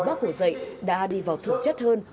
bác hổ dạy đã đi vào thực chất hơn